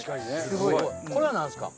すごい。これは何ですか？